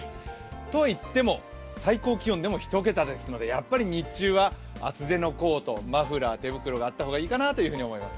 とはいっても最高気温でも１桁ですのでやっぱり日中は厚手のコートマフラー手袋があった方がいいかなと思います。